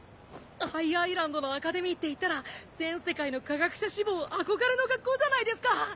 Ｉ・アイランドのアカデミーっていったら全世界の科学者志望憧れの学校じゃないですか。